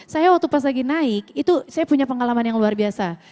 saya waktu pas lagi naik itu saya punya pengalaman yang luar biasa